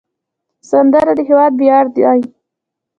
سندره د هیواد ویاړ دی